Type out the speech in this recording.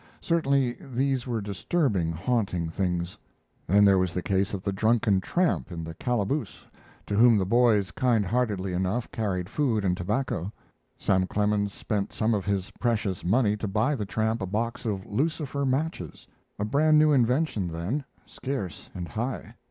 Certainly these were disturbing, haunting things. Then there was the case of the drunken tramp in the calaboose to whom the boys kind heartedly enough carried food and tobacco. Sam Clemens spent some of his precious money to buy the tramp a box of Lucifer matches a brand new invention then, scarce and high.